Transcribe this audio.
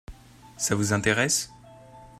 Ça vous intéresse ?